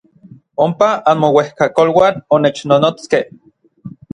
Ompa anmouejkakoluan onechnonotskej.